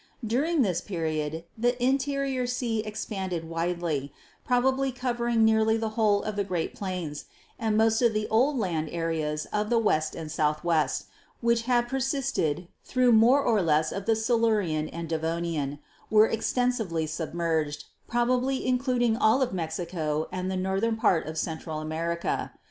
During this period the Interior Sea expanded widely, probably covering nearly the whole of the Great Plains, and most of the old land areas of the West and Southwest, which had persisted through more or less of the Silurian and Devonian, were extensively submerged, probably in cluding all of Mexico and the northern part of Central America.